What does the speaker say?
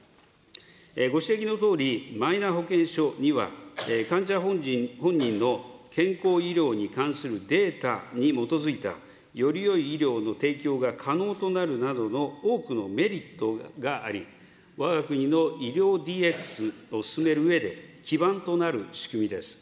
ご指摘のとおり、マイナ保険証には、患者本人の健康医療に関するデータに基づいたよりよい医療の提供が可能となるなどの多くのメリットがあり、わが国の医療ＤＸを進めるうえで、基盤となる仕組みです。